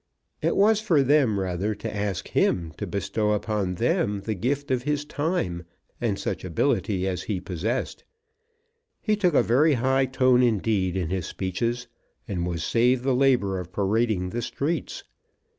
It was for them rather to ask him to bestow upon them the gift of his time and such ability as he possessed. He took a very high tone indeed in his speeches, and was saved the labour of parading the streets.